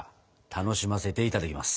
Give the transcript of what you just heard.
楽しませていただきます。